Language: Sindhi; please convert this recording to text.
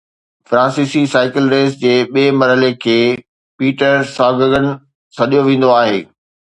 فرانسيسي سائيڪل ريس جي ٻئي مرحلي کي پيٽرساگگن سڏيو ويندو آهي